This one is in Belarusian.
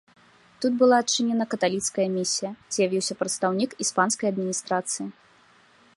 Тут была адчынена каталіцкая місія, з'явіўся прадстаўнік іспанскай адміністрацыі.